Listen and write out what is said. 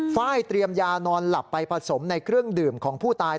ไฟล์เตรียมยานอนหลับไปผสมในเครื่องดื่มของผู้ตาย